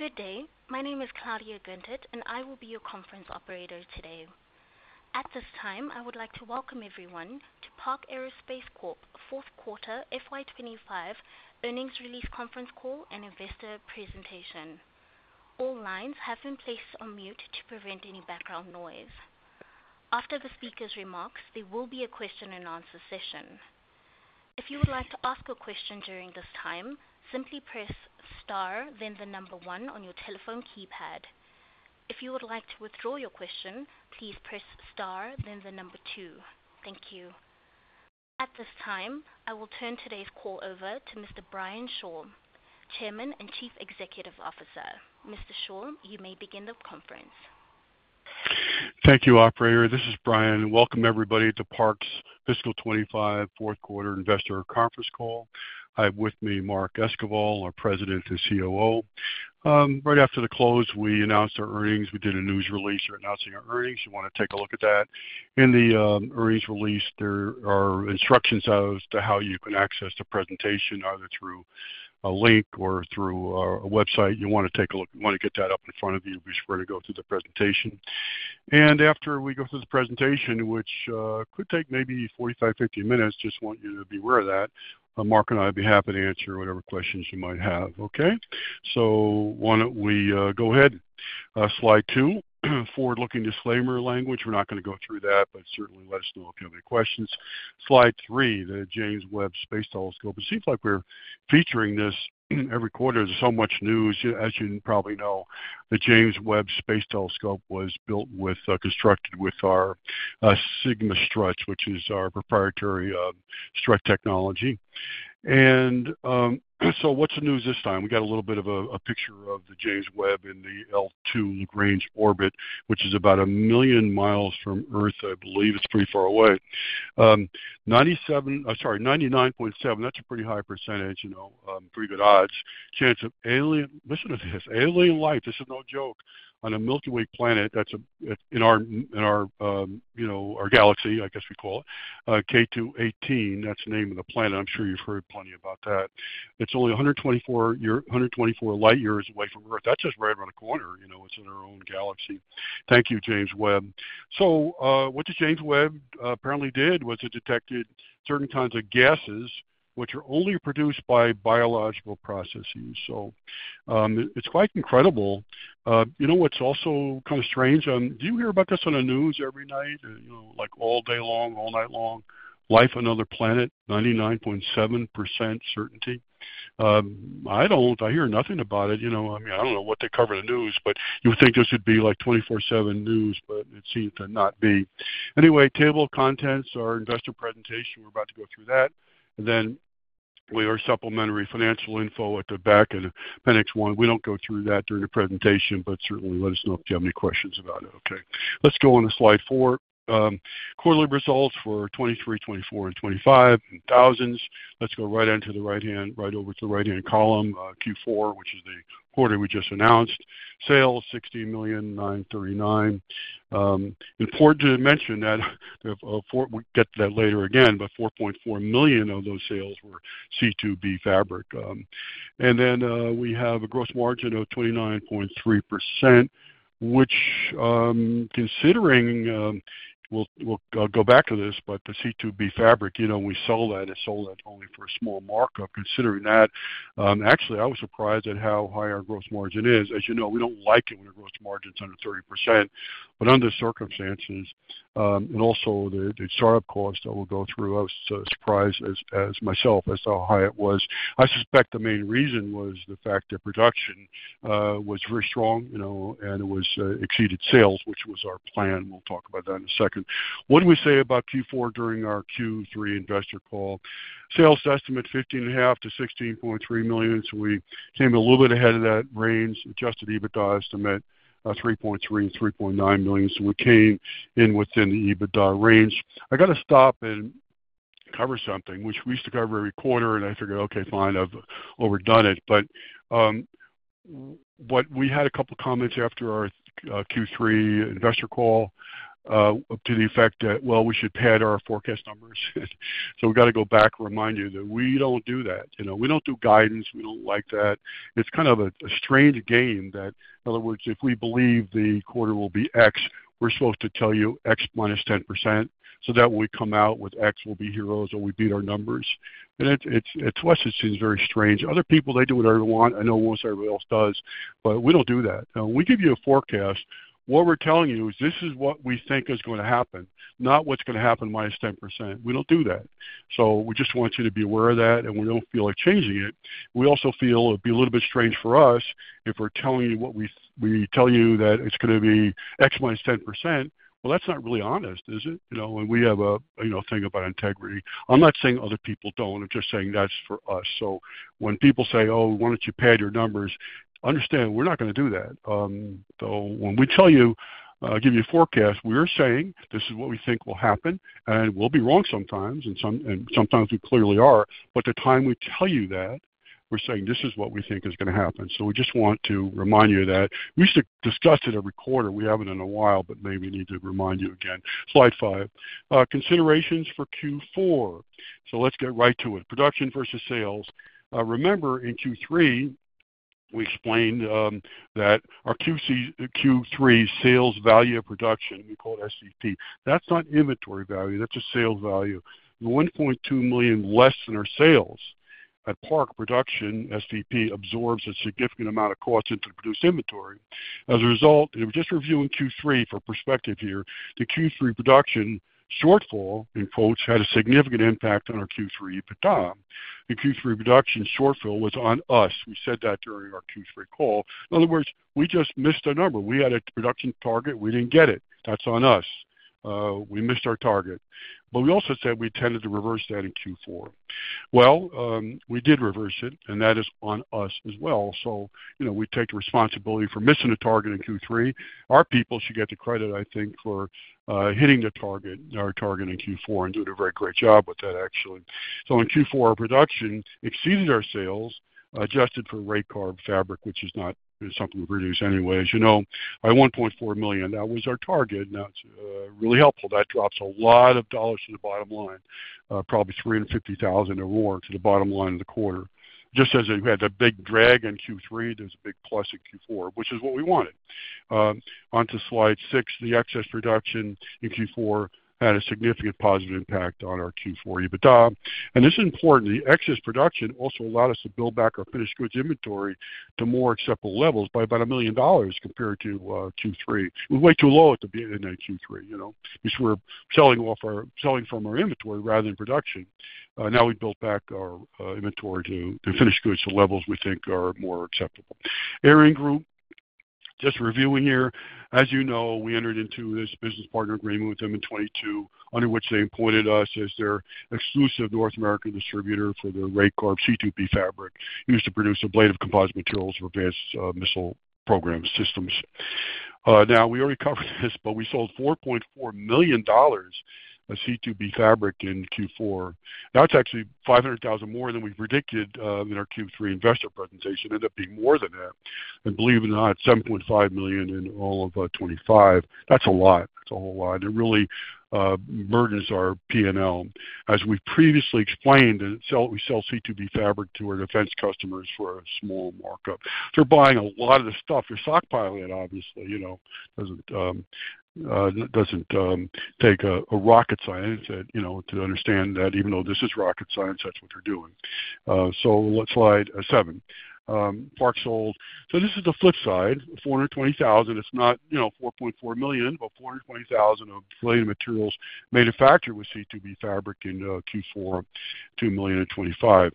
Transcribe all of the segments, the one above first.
Good day. My name is Claudia Avented, and I will be your conference operator today. At this time, I would like to welcome everyone to Park Aerospace Corp's fourth quarter FY 2025 earnings release conference call and investor presentation. All lines have been placed on mute to prevent any background noise. After the speakers' remarks, there will be a question-and-answer session. If you would like to ask a question during this time, simply press star, then the number one on your telephone keypad. If you would like to withdraw your question, please press star, then the number two. Thank you. At this time, I will turn today's call over to Mr. Brian Shore, Chairman and Chief Executive Officer. Mr. Shore, you may begin the conference. Thank you, Operator. This is Brian. Welcome, everybody, to Park's fiscal 2025 fourth quarter investor conference call. I have with me Mark Esquivel, our President and COO. Right after the close, we announced our earnings. We did a news release announcing our earnings. You want to take a look at that. In the earnings release, there are instructions as to how you can access the presentation, either through a link or through a website. You want to take a look. You want to get that up in front of you before you go through the presentation. After we go through the presentation, which could take maybe 45-50 minutes, just want you to be aware of that. Mark and I will be happy to answer whatever questions you might have. Okay? Why don't we go ahead? Slide two, forward-looking disclaimer language. We're not going to go through that, but certainly let us know if you have any questions. Slide three, the James Webb Space Telescope. It seems like we're featuring this every quarter. There's so much news. As you probably know, the James Webb Space Telescope was built with, constructed with our SigmaStrut, which is our proprietary strut technology. What's the news this time? We got a little bit of a picture of the James Webb in the L2 Lagrange orbit, which is about 1 million mi from Earth. I believe it's pretty far away. 97%, sorry, 99.7%. That's a pretty high percentage. Pretty good odds. Chance of alien—listen to this. Alien life. This is no joke. On a Milky Way planet that's in our galaxy, I guess we call it, K2-18. That's the name of the planet. I'm sure you've heard plenty about that. It's only 124 light-years away from Earth. That's just right around the corner. It's in our own galaxy. Thank you, James Webb. So what the James Webb apparently did was it detected certain kinds of gases, which are only produced by biological processes. It's quite incredible. You know what's also kind of strange? Do you hear about this on the news every night? Like all day long, all night long? Life on another planet, 99.7% certainty. I don't. I hear nothing about it. I mean, I don't know what they cover in the news, but you would think this would be like 24/7 news, but it seems to not be. Anyway, table of contents or investor presentation, we're about to go through that. And then we are supplementary financial info at the back and the Pennex one. We don't go through that during the presentation, but certainly let us know if you have any questions about it. Okay. Let's go on to slide four. Quarterly results for 2023, 2024, and 2025, thousands. Let's go right into the right-hand, right over to the right-hand column, Q4, which is the quarter we just announced. Sales, $16,000,939. Important to mention that we get to that later again, but $4.4 million of those sales were C2B fabric. And then we have a gross margin of 29.3%, which considering—we'll go back to this—but the C2B fabric, we sold that. It sold at only for a small markup. Considering that, actually, I was surprised at how high our gross margin is. As you know, we do not like it when our gross margin is under 30%, but under circumstances, and also the startup cost that we will go through, I was surprised as myself as how high it was. I suspect the main reason was the fact that production was very strong, and it exceeded sales, which was our plan. We will talk about that in a second. What do we say about Q4 during our Q3 investor call? Sales estimate $15.5 million-$16.3 million. So we came a little bit ahead of that range. Adjusted EBITDA estimate $3.3 million and $3.9 million. So we came in within the EBITDA range. I got to stop and cover something, which we used to cover every quarter, and I figured, okay, fine, I have overdone it. But we had a couple of comments after our Q3 investor call to the effect that, well, we should pad our forecast numbers. We got to go back and remind you that we do not do that. We do not do guidance. We do not like that. It is kind of a strange game that, in other words, if we believe the quarter will be X, we are supposed to tell you X - 10%. That way we come out with X, we will be heroes or we beat our numbers. To us, it seems very strange. Other people, they do whatever they want. I know most everybody else does, but we do not do that. We give you a forecast. What we are telling you is this is what we think is going to happen, not what is going to happen -10%. We do not do that. We just want you to be aware of that, and we do not feel like changing it. We also feel it'd be a little bit strange for us if we're telling you what we tell you that it's going to be X - 10%. That is not really honest, is it? We have a thing about integrity. I'm not saying other people do not. I'm just saying that is for us. When people say, "Oh, why do not you pad your numbers?" Understand we are not going to do that. When we tell you, give you a forecast, we are saying this is what we think will happen, and we will be wrong sometimes, and sometimes we clearly are. At the time we tell you that, we are saying this is what we think is going to happen. We just want to remind you that we used to discuss it every quarter. We have not in a while, but maybe we need to remind you again. Slide five. Considerations for Q4. Let's get right to it. Production versus sales. Remember in Q3, we explained that our Q3 sales value of production, we call it SVP. That's not inventory value. That's just sales value. $1.2 million less than our sales. At Park, production SVP absorbs a significant amount of costs into produced inventory. As a result, and we're just reviewing Q3 for perspective here, the Q3 production shortfall, in quotes, had a significant impact on our Q3 EBITDA. The Q3 production shortfall was on us. We said that during our Q3 call. In other words, we just missed a number. We had a production target. We didn't get it. That's on us. We missed our target. We also said we tended to reverse that in Q4. We did reverse it, and that is on us as well. We take responsibility for missing a target in Q3. Our people should get the credit, I think, for hitting the target, our target in Q4, and doing a very great job with that, actually. In Q4, our production exceeded our sales, adjusted for RAYCARB C2B fabric, which is not something we produce anyway. As you know, by $1.4 million, that was our target. That's really helpful. That drops a lot of dollars to the bottom line, probably $350,000 or more to the bottom line of the quarter. Just as we had a big drag in Q3, there's a big plus in Q4, which is what we wanted. Onto slide six, the excess production in Q4 had a significant positive impact on our Q4 EBITDA. This is important. The excess production also allowed us to build back our finished goods inventory to more acceptable levels by about $1 million compared to Q3. It was way too low at the beginning of Q3 because we were selling from our inventory rather than production. Now we built back our inventory to finished goods to levels we think are more acceptable. ArianeGroup, just reviewing here. As you know, we entered into this business partner agreement with them in 2022, under which they employed us as their exclusive North American distributor for the RAYCARB C2B fabric used to produce a blade of composite materials for advanced missile program systems. Now, we already covered this, but we sold $4.4 million of C2B fabric in Q4. That's actually $500,000 more than we predicted in our Q3 investor presentation. It ended up being more than that. Believe it or not, $7.5 million in all of 2025. That's a lot. That's a whole lot. It really burdens our P&L. As we previously explained, we sell C2B fabric to our defense customers for a small markup. They're buying a lot of the stuff for stockpiling, obviously. It doesn't take a rocket scientist to understand that even though this is rocket science, that's what they're doing. Slide seven. Park sold. This is the flip side. $420,000. It's not $4.4 million, but $420,000 of blade materials manufactured with C2B fabric in Q4, $2 million in 2025.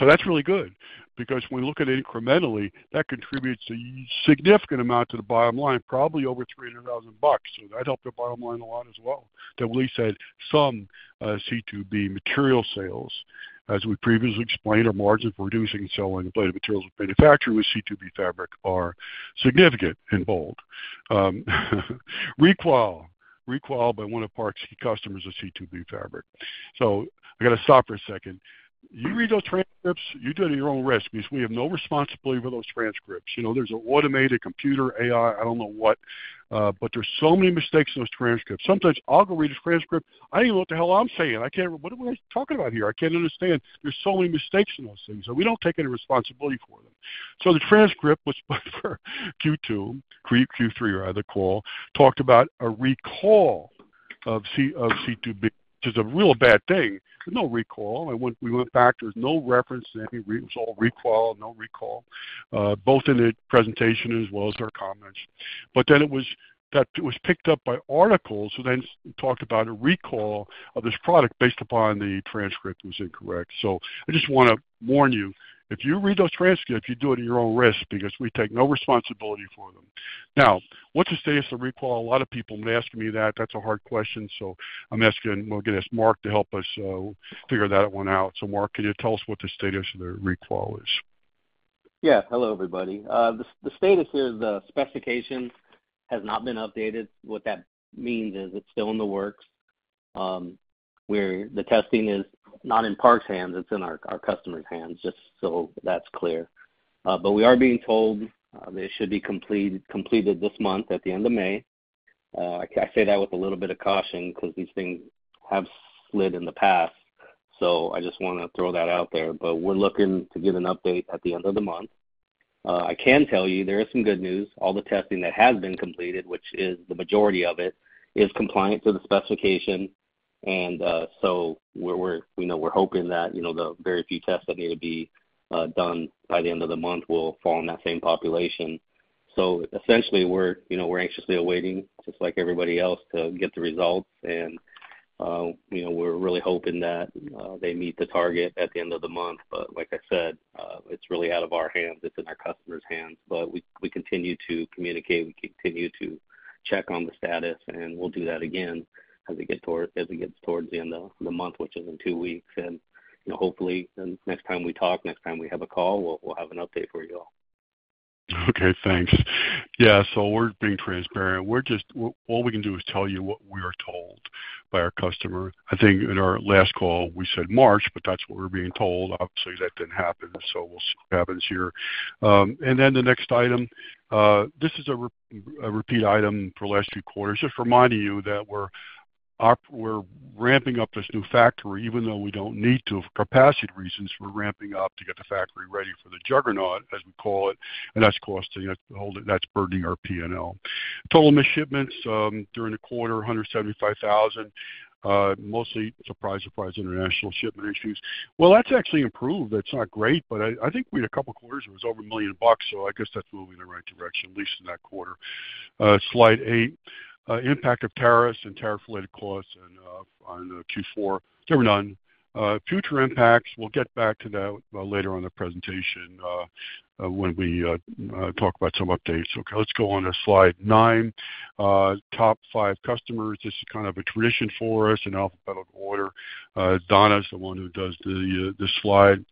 That's really good because when we look at it incrementally, that contributes a significant amount to the bottom line, probably over $300,000. That helped the bottom line a lot as well. We said some C2B material sales, as we previously explained, our margin for producing and selling blade materials manufactured with C2B fabric are significant and bold. Recall. Recall by one of Park's key customers of C2B fabric. I got to stop for a second. You read those transcripts. You do it at your own risk because we have no responsibility for those transcripts. There's an automated computer, AI, I don't know what, but there are so many mistakes in those transcripts. Sometimes I'll go read a transcript. I don't even know what the hell I'm saying. What am I talking about here? I can't understand. There are so many mistakes in those things. We don't take any responsibility for them. The transcript, which was for Q3 call, talked about a recall of C2B, which is a real bad thing. There's no recall. We went back. There's no reference to any read. It was all recall, no recall, both in the presentation as well as our comments. But then it was picked up by articles who then talked about a recall of this product based upon the transcript was incorrect. I just want to warn you, if you read those transcripts, you do it at your own risk because we take no responsibility for them. Now, what's the status of recall? A lot of people have been asking me that. That's a hard question. I'm asking, we're going to ask Mark to help us figure that one out. Mark, can you tell us what the status of the recall is? Yeah. Hello, everybody. The status here is the specification has not been updated. What that means is it's still in the works. The testing is not in Park's hands. It's in our customer's hands, just so that's clear. We are being told it should be completed this month at the end of May. I say that with a little bit of caution because these things have slid in the past. I just want to throw that out there. We are looking to get an update at the end of the month. I can tell you there is some good news. All the testing that has been completed, which is the majority of it, is compliant to the specification. We are hoping that the very few tests that need to be done by the end of the month will fall in that same population. Essentially, we're anxiously awaiting, just like everybody else, to get the results. We're really hoping that they meet the target at the end of the month. Like I said, it's really out of our hands. It's in our customer's hands. We continue to communicate. We continue to check on the status. We'll do that again as it gets towards the end of the month, which is in two weeks. Hopefully, next time we talk, next time we have a call, we'll have an update for you all. Okay. Thanks. Yeah. So we're being transparent. All we can do is tell you what we are told by our customer. I think in our last call, we said March, but that's what we're being told. Obviously, that didn't happen. We will see what happens here. The next item, this is a repeat item for last three quarters. Just reminding you that we're ramping up this new factory, even though we don't need to for capacity reasons. We're ramping up to get the factory ready for the juggernaut, as we call it. That is costing. That is burning our P&L. Total missed shipments during the quarter, $175,000. Mostly, surprise, surprise, international shipment issues. That has actually improved. It's not great, but I think we had a couple of quarters that was over $1 million. I guess that's moving in the right direction, at least in that quarter. Slide eight, impact of tariffs and tariff-related costs on Q4. There were none. Future impacts. We'll get back to that later on the presentation when we talk about some updates. Okay. Let's go on to slide nine. Top five customers. This is kind of a tradition for us in alphabetical order. Donna is the one who does the slide.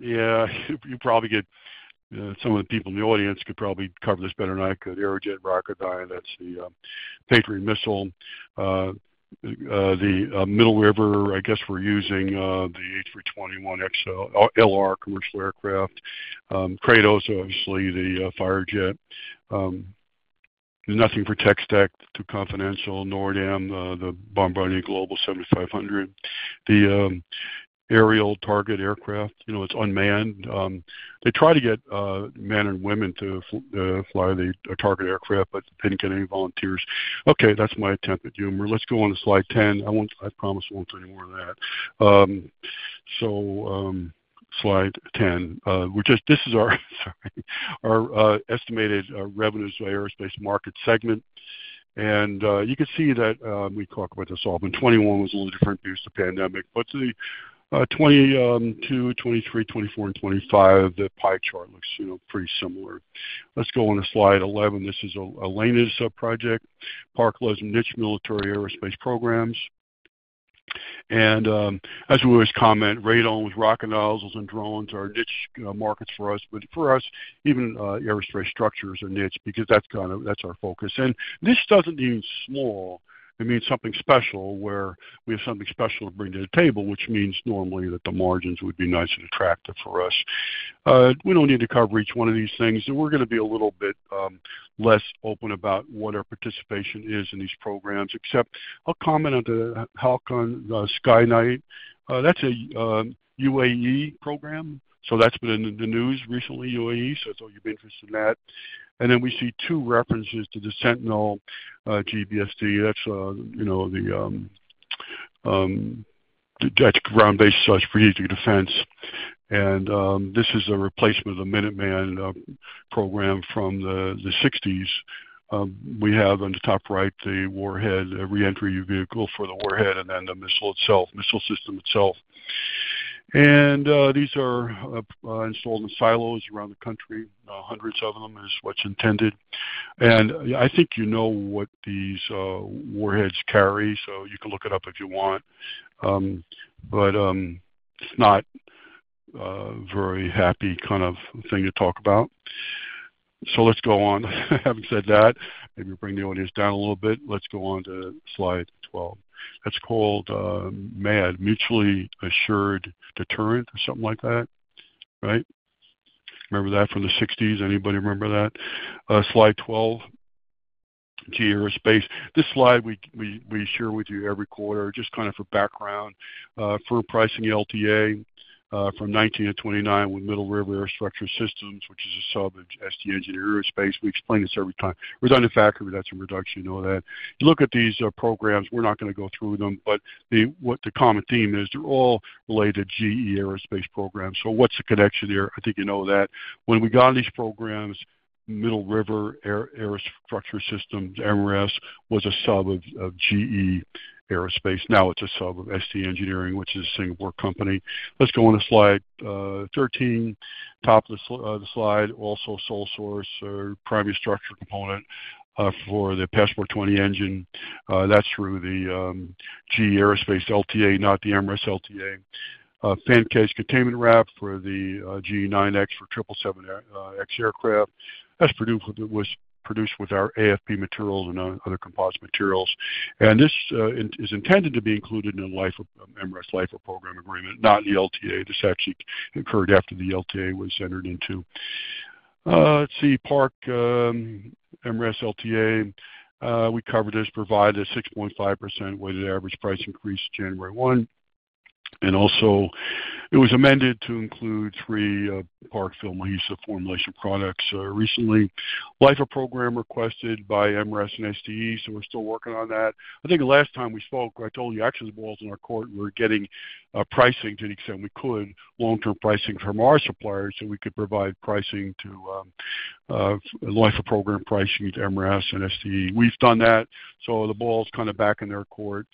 Yeah. You probably get some of the people in the audience could probably cover this better than I could. Aerojet Rocketdyne, that's the Patriot missile. Middle River, I guess we're using the A321XLR commercial aircraft. Kratos, obviously, the Firejet. Nothing for Textron, too confidential. NorDam, the Bombardier Global 7500. The aerial target aircraft, it's unmanned. They try to get men and women to fly the target aircraft, but they didn't get any volunteers. Okay. That's my attempt at humor. Let's go on to slide 10. I promise we won't do any more of that. Slide 10. This is our estimated revenues by aerospace market segment. You can see that we talk about this all. Twenty-one was a little different due to the pandemic. The 2022, 2023, 2024, and 2025, the pie chart looks pretty similar. Let's go on to slide 11. This is a [LANUS] project. Park loves Niche Military Aerospace Programs. As we always comment, radon was rocket nozzles and drones are niche markets for us. For us, even aerospace structures are niche because that's our focus. This doesn't mean small. It means something special where we have something special to bring to the table, which means normally that the margins would be nice and attractive for us. We don't need to cover each one of these things. We're going to be a little bit less open about what our participation is in these programs, except I'll comment on the Halcon Sky Knight. That's a UAE program. That's been in the news recently, UAE. I thought you'd be interested in that. We see two references to the Sentinel GBSD. That's the ground-based strategic defense. This is a replacement of the Minuteman program from the 1960s. We have on the top right the warhead, re-entry vehicle for the warhead, and then the missile itself, missile system itself. These are installed in silos around the country. Hundreds of them is what's intended. I think you know what these warheads carry. You can look it up if you want. It's not a very happy kind of thing to talk about. Let's go on. Having said that, maybe bring the audience down a little bit. Let's go on to slide 12. That's called MAD, Mutually Assured Deterrent, or something like that, right? Remember that from the 1960s? Anybody remember that? Slide 12, GE Aerospace. This slide we share with you every quarter, just kind of for background. Firm pricing LTA from 2019-2029 with Middle River Aerostructure Systems, which is a sub of SDE Engineering. We explain this every time. We're done in the factory. We've had some reduction. You know that. You look at these programs. We're not going to go through them. The common theme is they're all related to GE Aerospace programs. What's the connection there? I think you know that. When we got these programs, Middle River Aerostructure Systems, MRAS, was a sub of GE Aerospace. Now it's a sub of SDE Engineering, which is a Singapore company. Let's go on to slide 13. Top of the slide, also sole source, primary structure component for the Passport 20 engine. That's through the GE Aerospace LTA, not the MRAS LTA. Fan Case Containment Wrap for the GE9X for 777X aircraft. That's produced with our AFP materials and other composite materials. This is intended to be included in the MRAS Life-of-Program agreement, not the LTA. This actually occurred after the LTA was entered into. Let's see. Park MRAS LTA. We covered this, provided a 6.5% weighted average price increase January 1. Also, it was amended to include three Park PhilMahesa formulation products recently. Life-of-Program requested by MRAS and SDE. We're still working on that. I think last time we spoke, I told you actually the ball's in our court. We're getting pricing to the extent we could, long-term pricing from our suppliers so we could provide pricing to LTA program pricing to MRAS and SDE. We've done that. The ball's kind of back in their court.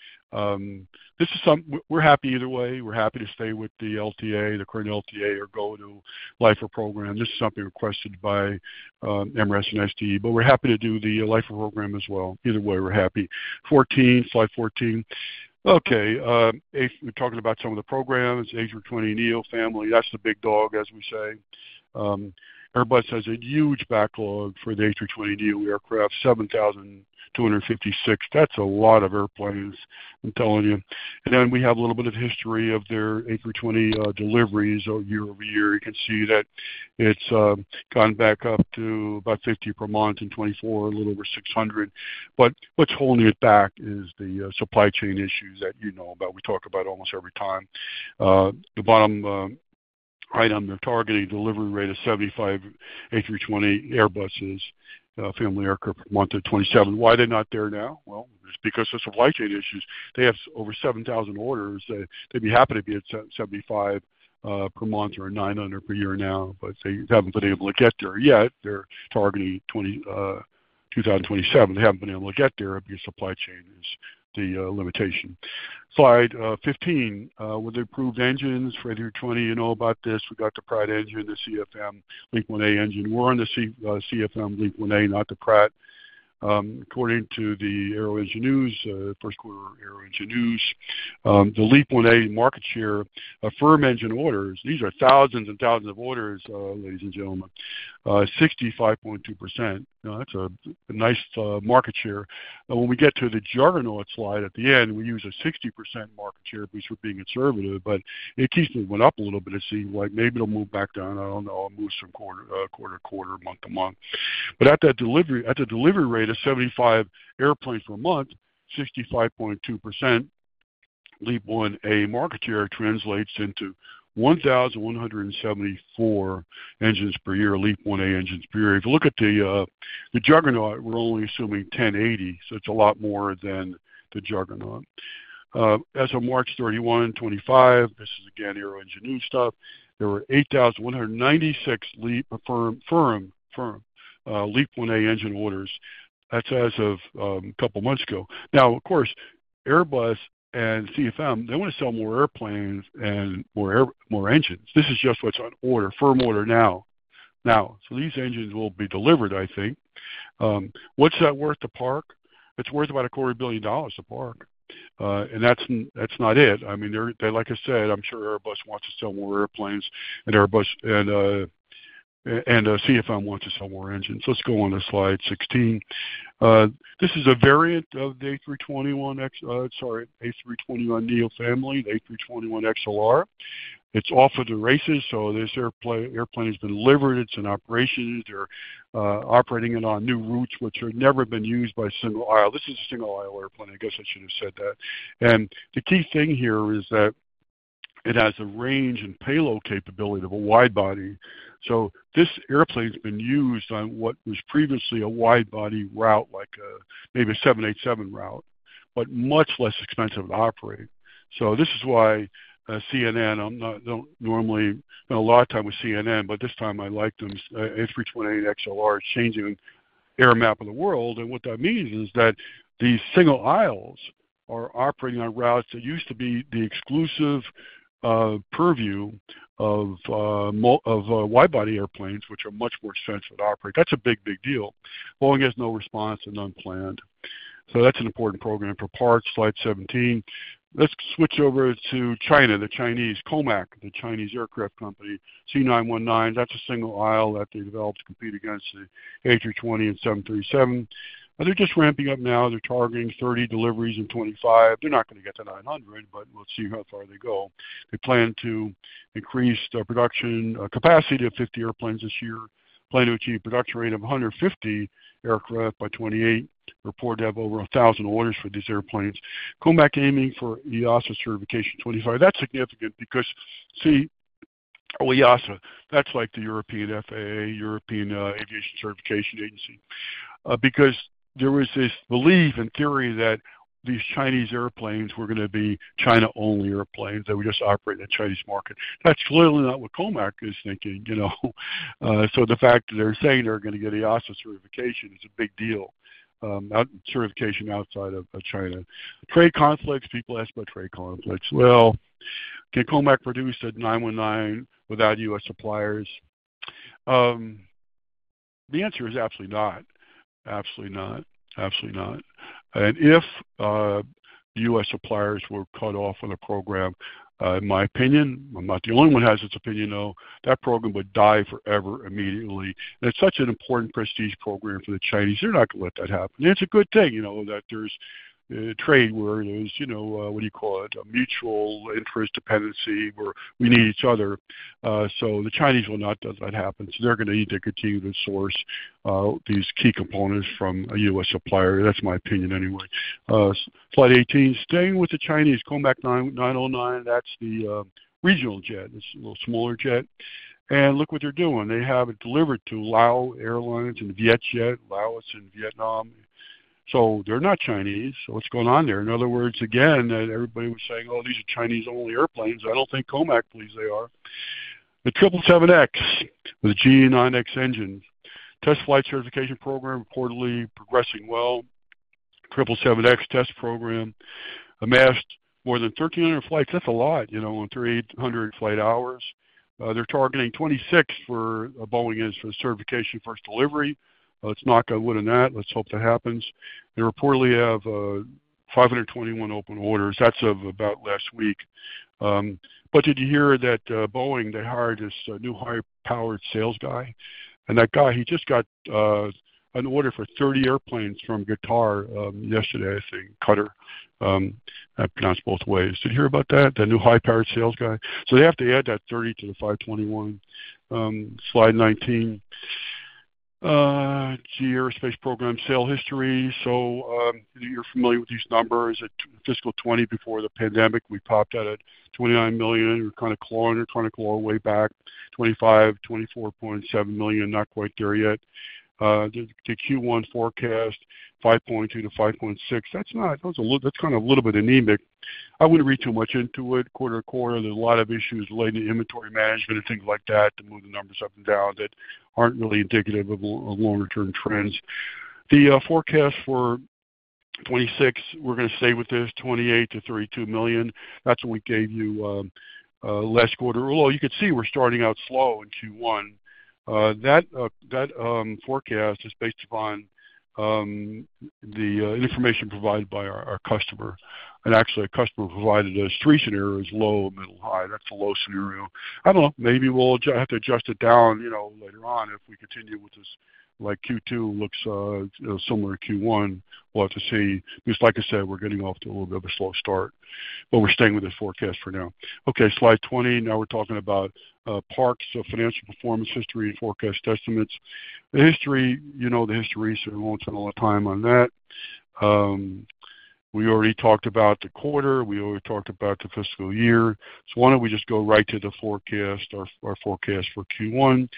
We're happy either way. We're happy to stay with the LTA, the current LTA, or go to LTA program. This is something requested by MRAS and SDE. We're happy to do the LTA program as well. Either way, we're happy. Slide 14. Okay. We're talking about some of the programs. A320 Neo family. That's the big dog, as we say. Airbus has a huge backlog for the A320 Neo aircraft, 7,256. That's a lot of airplanes, I'm telling you. Then we have a little bit of history of their A320 deliveries year-over-year. You can see that it's gone back up to about 50 per month in 2024, a little over 600. What's holding it back is the supply chain issues that you know about. We talk about this almost every time. The bottom item, they're targeting a delivery rate of 75 A320 Airbus family aircraft per month at 2027. Why are they not there now? It's because of supply chain issues. They have over 7,000 orders. They'd be happy to be at 75 per month or 900 per year now. They haven't been able to get there yet. They're targeting 2027. They haven't been able to get there because supply chain is the limitation. Slide 15. With the approved engines for A320, you know about this. We got the Pratt engine, the CFM LEAP-1A engine. We're on the CFM LEAP-1A, not the Pratt. According to the AeroEngine News, first quarter AeroEngine News, the LEAP-1A market share of firm engine orders, these are thousands and thousands of orders, ladies and gentlemen, 65.2%. Now, that's a nice market share. When we get to the juggernaut slide at the end, we use a 60% market share, at least we're being conservative. It keeps moving up a little bit, it seems like. Maybe it'll move back down. I don't know. It moves from quarter to quarter, month to month. At the delivery rate of 75 airplanes per month, 65.2% LEAP-1A market share translates into 1,174 engines per year, LEAP-1A engines per year. If you look at the juggernaut, we're only assuming 1,080. It is a lot more than the juggernaut. As of March 31, 2025, this is again AeroEngine News stuff. There were 8,196 firm LEAP-1A engine orders. That's as of a couple of months ago. Now, of course, Airbus and CFM, they want to sell more airplanes and more engines. This is just what's on order, firm order now. Now, so these engines will be delivered, I think. What's that worth to Park? It's worth about $250,000,000 to Park. And that's not it. I mean, like I said, I'm sure Airbus wants to sell more airplanes, and CFM wants to sell more engines. Let's go on to slide 16. This is a variant of the A321X, sorry, A321 Neo family, the A321XLR. It's off of the races. So this airplane has been delivered. It's in operation. They're operating it on new routes, which have never been used by single aisle. This is a single aisle airplane. I guess I should have said that. The key thing here is that it has a range and payload capability of a wide body. This airplane has been used on what was previously a wide body route, like maybe a 787 route, but much less expensive to operate. This is why CNN, I am not normally spending a lot of time with CNN, but this time I liked them. A321XLR is changing the air map of the world. What that means is that these single aisles are operating on routes that used to be the exclusive purview of wide body airplanes, which are much more expensive to operate. That is a big, big deal. Boeing has no response and unplanned. That is an important program for Park. Slide 17. Let's switch over to China, the Chinese, Comac, the Chinese aircraft company, C919. That's a single aisle that they developed to compete against the A320 and 737. They're just ramping up now. They're targeting 30 deliveries in 2025. They're not going to get to 900, but we'll see how far they go. They plan to increase the production capacity to 50 airplanes this year. Plan to achieve a production rate of 150 aircraft by 2028. Report to have over 1,000 orders for these airplanes. Comac aiming for EASA certification 2025. That's significant because, see, EASA, that's like the European FAA, European Aviation Certification Agency. Because there was this belief in theory that these Chinese airplanes were going to be China-only airplanes that would just operate in the Chinese market. That's clearly not what Comac is thinking. The fact that they're saying they're going to get EASA certification is a big deal, certification outside of China. Trade conflicts. People ask about trade conflicts. Can Comac produce a 919 without U.S. suppliers? The answer is absolutely not. Absolutely not. Absolutely not. If U.S. suppliers were cut off from the program, in my opinion, and I am not the only one who has this opinion, that program would die forever immediately. It is such an important prestige program for the Chinese. They are not going to let that happen. It is a good thing that there is trade, where there is, what do you call it, a mutual interest dependency where we need each other. The Chinese will not let that happen. They are going to need to continue to source these key components from a U.S. supplier. That is my opinion anyway. Slide 18. Staying with the Chinese, Comac 909, that is the regional jet. It is a little smaller jet. Look what they are doing. They have it delivered to Lao Airlines in Vietjet, Laos in Vietnam. So they're not Chinese. So what's going on there? In other words, again, everybody was saying, "Oh, these are Chinese-only airplanes." I don't think Comac believes they are. The 777X with the GE9X engine. Test flight certification program reportedly progressing well. 777X test program amassed more than 1,300 flights. That's a lot on 3,800 flight hours. They're targeting 2026 for Boeing's certification first delivery. Let's knock on wood on that. Let's hope that happens. They reportedly have 521 open orders. That's as of about last week. Did you hear that Boeing, they hired this new high-powered sales guy? That guy, he just got an order for 30 airplanes from Qatar yesterday, I think, Qatar. I pronounce both ways. Did you hear about that? That new high-powered sales guy. They have to add that 30 to the 521. Slide 19. GE Aerospace program sale history. You're familiar with these numbers. Fiscal 2020, before the pandemic, we popped out at $29 million. We're kind of clawing, kind of claw our way back. $25 million, $24.7 million. Not quite there yet. The Q1 forecast, $5.2 million-$5.6 million. That's kind of a little bit anemic. I wouldn't read too much into it. Quarter to quarter, there's a lot of issues relating to inventory management and things like that to move the numbers up and down that aren't really indicative of longer-term trends. The forecast for 2026, we're going to stay with this, $28 million-$32 million. That's what we gave you last quarter. Although you can see we're starting out slow in Q1. That forecast is based upon the information provided by our customer. Our customer provided us three scenarios: low, middle, high. That is a low scenario. I do not know. Maybe we will have to adjust it down later on if we continue with this. Q2 looks similar to Q1. We will have to see. Like I said, we are getting off to a little bit of a slow start. We are staying with the forecast for now. Okay. Slide 20. Now we are talking about Park, so financial performance history and forecast estimates. The history, you know the history, so we will not spend a lot of time on that. We already talked about the quarter. We already talked about the fiscal year. Why do we not just go right to the forecast, our forecast for Q1.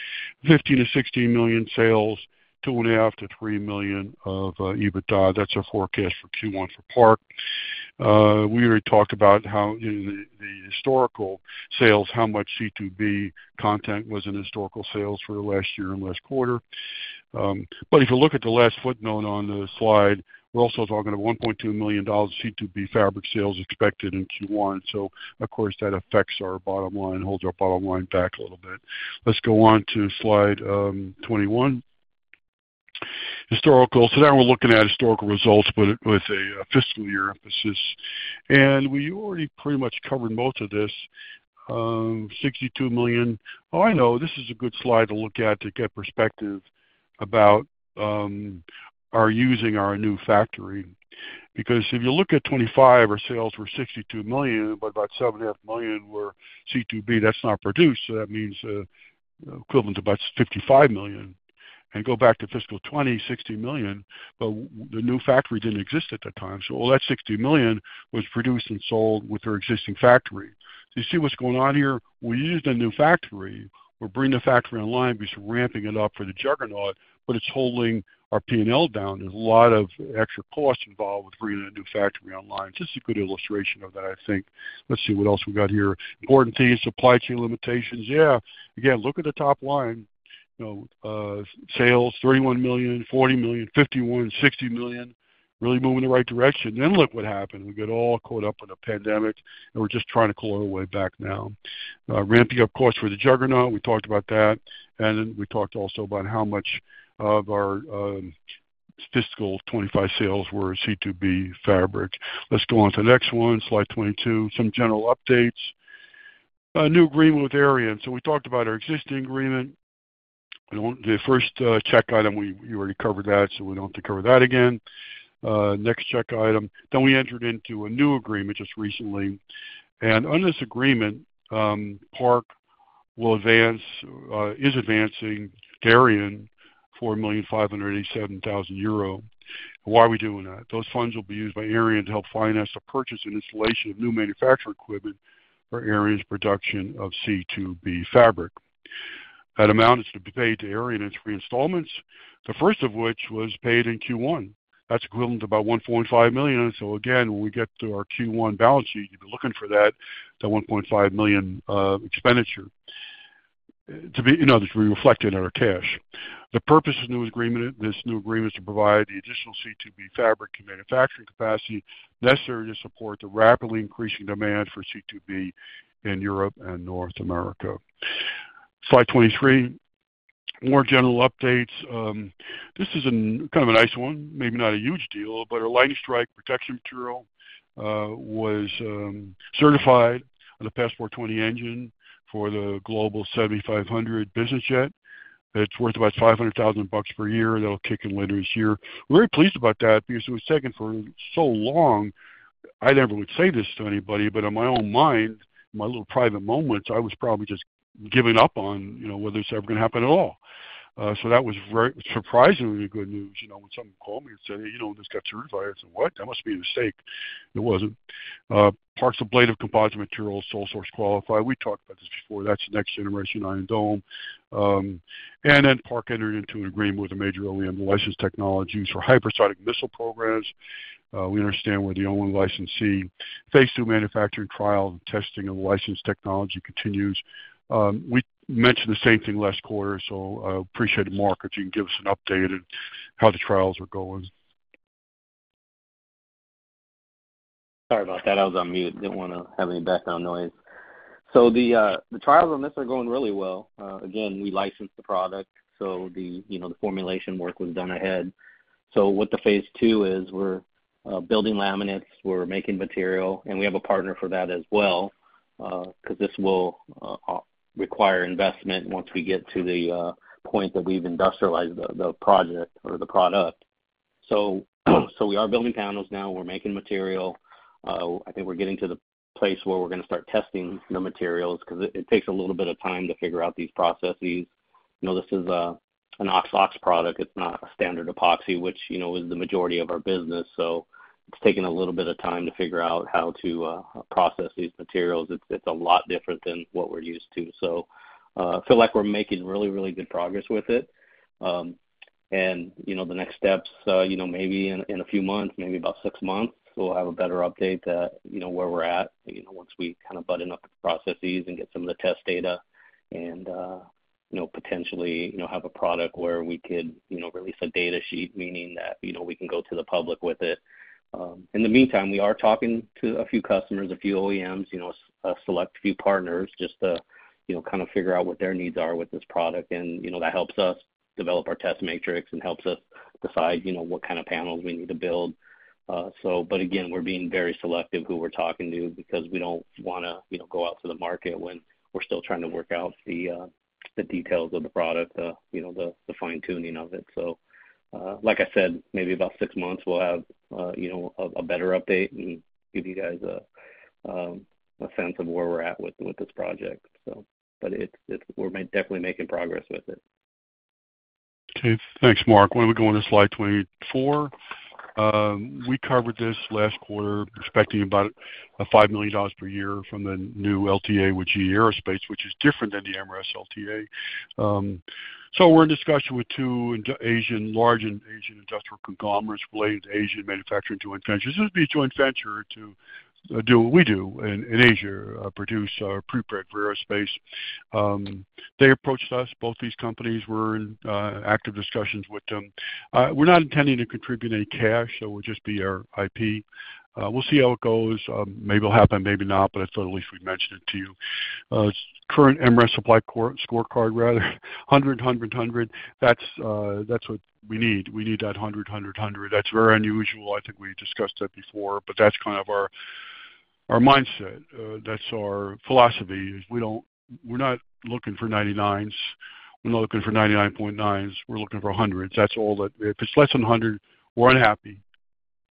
$15 million-$16 million sales, $2.5 million-$3 million of EBITDA. That is our forecast for Q1 for Park. We already talked about how the historical sales, how much C2B content was in historical sales for the last year and last quarter. If you look at the last footnote on the slide, we're also talking about $1.2 million C2B fabric sales expected in Q1. Of course, that affects our bottom line, holds our bottom line back a little bit. Let's go on to slide 21. Historical. Now we're looking at historical results with a fiscal year emphasis. We already pretty much covered most of this. $62 million. Oh, I know. This is a good slide to look at to get perspective about our using our new factory. If you look at 2025, our sales were $62 million, but about $7.5 million were C2B. That's not produced. That means equivalent to about $55 million. Go back to fiscal 2020, $60 million. The new factory did not exist at that time. All that $60 million was produced and sold with our existing factory. You see what is going on here? We used a new factory. We are bringing the factory online. We are ramping it up for the juggernaut, but it is holding our P&L down. There are a lot of extra costs involved with bringing a new factory online. This is a good illustration of that, I think. Let us see what else we have here. Important things, supply chain limitations. Yeah. Again, look at the top line. Sales, $31 million, $40 million, $51 million, $60 million. Really moving in the right direction. Look what happened. We got all caught up in a pandemic, and we are just trying to claw our way back now. Ramping up costs for the juggernaut. We talked about that. We talked also about how much of our fiscal 2025 sales were C2B fabric. Let's go on to the next one, slide 22. Some general updates. New agreement with Aerient. We talked about our existing agreement. The first check item, we already covered that, so we don't have to cover that again. Next check item. We entered into a new agreement just recently. Under this agreement, Park is advancing to Aerient for EUR 1,587,000. Why are we doing that? Those funds will be used by Aerient to help finance the purchase and installation of new manufacturing equipment for Aerient's production of C2B fabric. That amount is to be paid to Aerient in three installments, the first of which was paid in Q1. That's equivalent to about $1.5 million. Again, when we get to our Q1 balance sheet, you'll be looking for that $1.5 million expenditure. In other words, we reflect it in our cash. The purpose of this new agreement is to provide the additional C2B fabric and manufacturing capacity necessary to support the rapidly increasing demand for C2B in Europe and North America. Slide 23. More general updates. This is kind of a nice one. Maybe not a huge deal, but our Lightning Strike Protection Material was certified on the Passport 20-engine for the Global 7500 business jet. It's worth about $500,000 per year. That'll kick in later this year. We're very pleased about that because it was taken for so long. I never would say this to anybody, but in my own mind, in my little private moments, I was probably just giving up on whether it's ever going to happen at all. That was surprisingly good news. When someone called me and said, "Hey, this got certified." I said, "What? That must be a mistake." It wasn't. Park's a blade of composite materials, sole source qualified. We talked about this before. That is next generation Iron Dome. Park entered into an agreement with a major OEM, the Licensed Technologies, for hypersonic missile programs. We understand we're the only licensee. Phase two manufacturing trials and testing of the licensed technology continues. We mentioned the same thing last quarter, so I appreciate Mark, if you can give us an update on how the trials are going. Sorry about that. I was on mute. Didn't want to have any background noise. The trials on this are going really well. Again, we licensed the product, so the formulation work was done ahead. What the phase II is, we're building laminates, we're making material, and we have a partner for that as well because this will require investment once we get to the point that we've industrialized the project or the product. We are building panels now. We're making material. I think we're getting to the place where we're going to start testing the materials because it takes a little bit of time to figure out these processes. This is an ox ox product. It's not a standard epoxy, which is the majority of our business. It's taken a little bit of time to figure out how to process these materials. It's a lot different than what we're used to. I feel like we're making really, really good progress with it. The next steps, maybe in a few months, maybe about six months, we'll have a better update where we're at once we kind of button up the processes and get some of the test data and potentially have a product where we could release a data sheet, meaning that we can go to the public with it. In the meantime, we are talking to a few customers, a few OEMs, a select few partners, just to kind of figure out what their needs are with this product. That helps us develop our test matrix and helps us decide what kind of panels we need to build. But again, we're being very selective who we're talking to because we don't want to go out to the market when we're still trying to work out the details of the product, the fine-tuning of it. Like I said, maybe about six months, we'll have a better update and give you guys a sense of where we're at with this project. We're definitely making progress with it. Okay. Thanks, Mark. I want to go on to slide 24. We covered this last quarter, expecting about $5 million per year from the new LTA with GE Aerospace, which is different than the MRAS LTA. We're in discussion with two large Asian industrial conglomerates related to Asian manufacturing joint ventures. This would be a joint venture to do what we do in Asia, produce prepreg for aerospace. They approached us. Both these companies were in active discussions with them. We're not intending to contribute any cash, so it would just be our IP. We'll see how it goes. Maybe it'll happen, maybe not, but I thought at least we'd mention it to you. Current MRAS Supply Score card, rather. Hundred, 100, 100. That's what we need. We need that 100, 100, 100. That's very unusual. I think we discussed that before, but that's kind of our mindset. That's our philosophy. We're not looking for 99s. We're not looking for 99.9s. We're looking for 100s. That's all that. If it's less than 100, we're unhappy.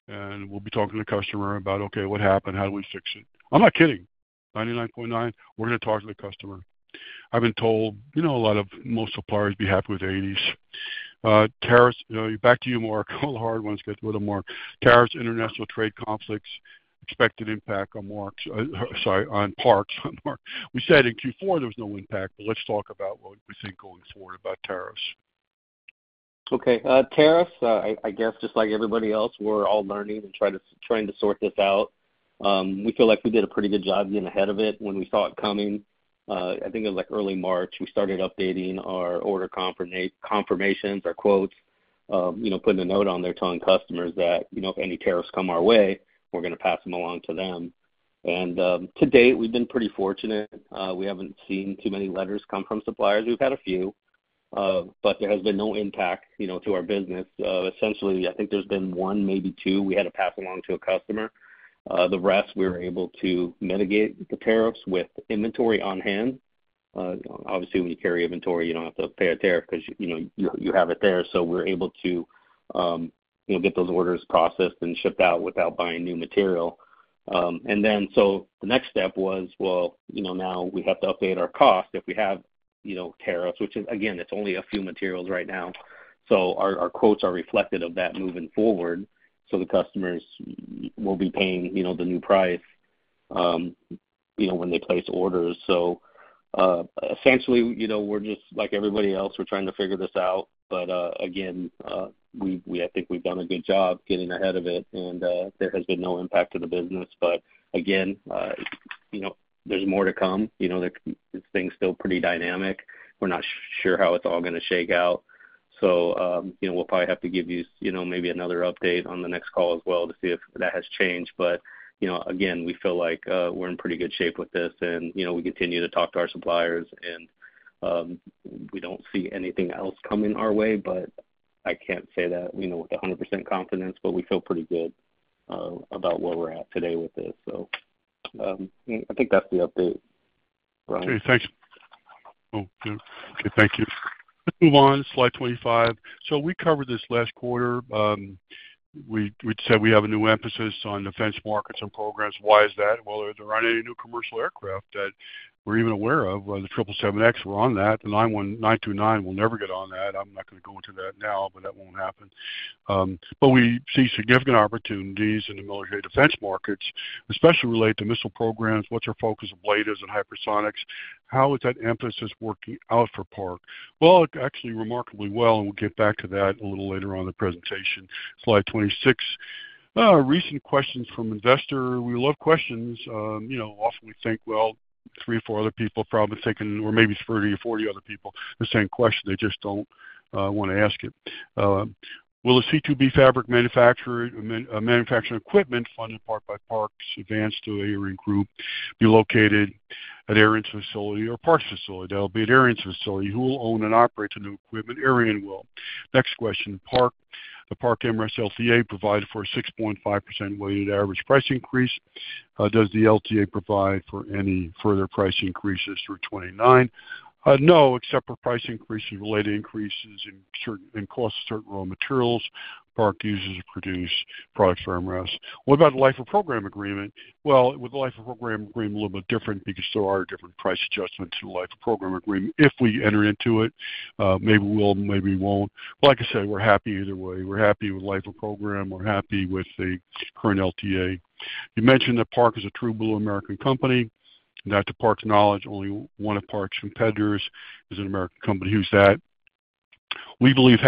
And we'll be talking to the customer about, "Okay, what happened? How do we fix it?" I'm not kidding. 99.9, we're going to talk to the customer. I've been told a lot of most suppliers be happy with 80s. Tariffs back to you, Mark. I'll hard once get rid of Mark. Tariffs, international trade conflicts, expected impact on Park's. We said in Q4 there was no impact, but let's talk about what we think going forward about tariffs. Okay. Tariffs, I guess just like everybody else, we're all learning and trying to sort this out. We feel like we did a pretty good job getting ahead of it when we saw it coming. I think it was like early March. We started updating our order confirmations, our quotes, putting a note on there telling customers that if any tariffs come our way, we're going to pass them along to them. And to date, we've been pretty fortunate. We haven't seen too many letters come from suppliers. We've had a few, but there has been no impact to our business. Essentially, I think there's been one, maybe two. We had to pass along to a customer. The rest, we were able to mitigate the tariffs with inventory on hand. Obviously, when you carry inventory, you do not have to pay a tariff because you have it there. We are able to get those orders processed and shipped out without buying new material. The next step was, now we have to update our cost if we have tariffs, which is, again, it is only a few materials right now. Our quotes are reflected of that moving forward. The customers will be paying the new price when they place orders. Essentially, we are just like everybody else. We are trying to figure this out. Again, I think we have done a good job getting ahead of it, and there has been no impact to the business. Again, there is more to come. This thing is still pretty dynamic. We're not sure how it's all going to shake out. We'll probably have to give you maybe another update on the next call as well to see if that has changed. Again, we feel like we're in pretty good shape with this, and we continue to talk to our suppliers, and we don't see anything else coming our way. I can't say that with 100% confidence, but we feel pretty good about where we're at today with this. I think that's the update. Okay. Thanks. Okay. Thank you. Let's move on. Slide 25. We covered this last quarter. We said we have a new emphasis on defense markets and programs. Why is that? There aren't any new commercial aircraft that we're even aware of. The 777X, we're on that. The 929, we'll never get on that. I'm not going to go into that now, but that won't happen. We see significant opportunities in the military defense markets, especially related to missile programs. What's our focus of Bladers and hypersonics? How is that emphasis working out for Park? Actually, remarkably well. We'll get back to that a little later on in the presentation. Slide 26. Recent questions from investors. We love questions. Often we think, well, three or four other people are probably thinking, or maybe 30 or 40 other people, the same question. They just do not want to ask it. Will a C2B fabric manufacturer manufacturing equipment funded by Park's advance to Aerient Group be located at Aerient's facility or Park's facility? That will be at Aerient's facility. Who will own and operate the new equipment? Aerient will. Next question. The Park MRAS LTA provided for a 6.5% weighted average price increase. Does the LTA provide for any further price increases through 2029? No, except for price increases related to increases in costs of certain raw materials Park uses to produce products for MRAS. What about the Life-of-Program agreement? With the Life-of-Program agreement, it is a little bit different because there are different price adjustments to the Life-of-Program agreement. If we enter into it, maybe we will, maybe we will not. Like I said, we are happy either way. We are happy with the Life-of-Program. We are happy with the current LTA. You mentioned that Park is a true blue American company. To Park's knowledge, only one of Park's competitors is an American company. Who is that? We believe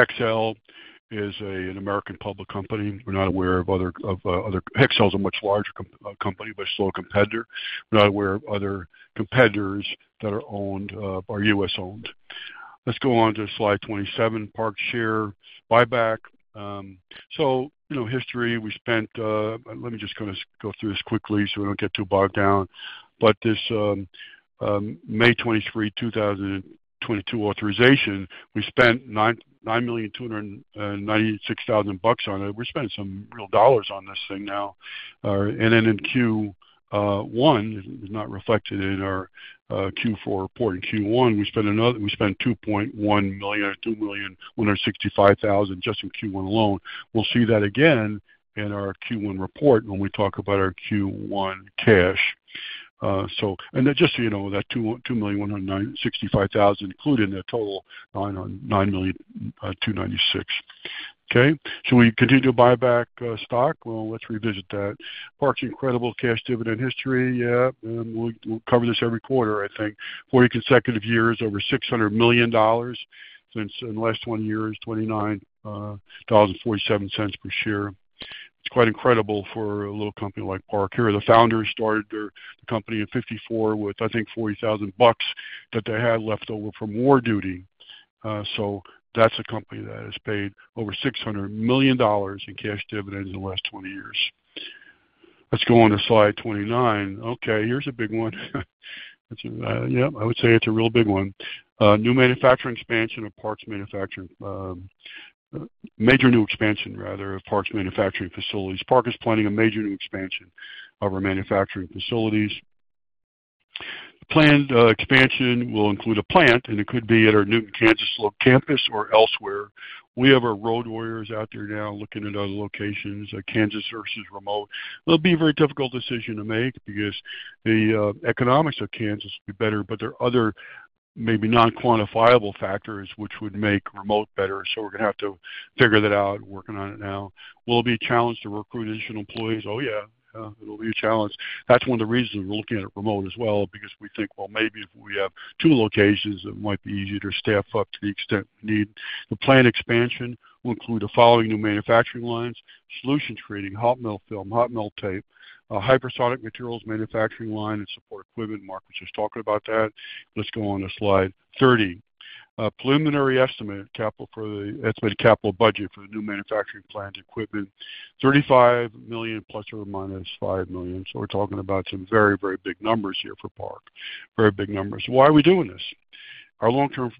Hexcel is an American public company. We are not aware of other Hexcel is a much larger company, but it is still a competitor. We are not aware of other competitors that are US-owned. Let's go on to slide 27. Park's share buyback. So history, we spent, let me just kind of go through this quickly so we don't get too bogged down. But this May 23, 2022 authorization, we spent $9,296,000 on it. We're spending some real dollars on this thing now. In Q1, it's not reflected in our Q4 report. In Q1, we spent $2.1 million, $2,165,000 just in Q1 alone. We'll see that again in our Q1 report when we talk about our Q1 cash. Just so you know, that $2,165,000 is included in that total $9,296,000. Okay. Should we continue to buy back stock? Let's revisit that. Park's incredible cash dividend history. Yeah. We'll cover this every quarter, I think. Four consecutive years, over $600 million in the last 20 years, $29.47 per share. It's quite incredible for a little company like Park. Here, the founders started the company in 1954 with, I think, $40,000 that they had left over from war duty. So that's a company that has paid over $600 million in cash dividends in the last 20 years. Let's go on to slide 29. Okay. Here's a big one. Yep. I would say it's a real big one. New manufacturing expansion of Park's manufacturing. Major new expansion, rather, of Park's manufacturing facilities. Park is planning a major new expansion of our manufacturing facilities. The planned expansion will include a plant, and it could be at our Newton Kansas campus or elsewhere. We have our road warriors out there now looking at other locations. Kansas versus remote. It'll be a very difficult decision to make because the economics of Kansas would be better, but there are other maybe non-quantifiable factors which would make remote better. We're going to have to figure that out, working on it now. Will it be a challenge to recruit additional employees? Oh, yeah. It'll be a challenge. That's one of the reasons we're looking at remote as well, because we think, well, maybe if we have two locations, it might be easier to staff up to the extent we need. The planned expansion will include the following new manufacturing lines: solution creating, hot melt film, hot melt tape, hypersonic materials manufacturing line, and support equipment. Mark was just talking about that. Let's go on to slide 30. Preliminary estimate capital for the estimated capital budget for the new manufacturing plant equipment: $35 million plus or minus $5 million. We're talking about some very, very big numbers here for Park. Very big numbers. Why are we doing this? Our long-term